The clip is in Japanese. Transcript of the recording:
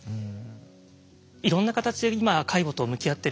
いろんな形で今介護と向き合ってる方